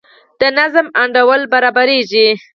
د نظم انډول برابریږي.